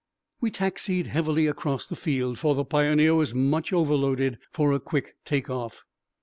We taxied heavily across the field, for the Pioneer was much overloaded for a quick take off.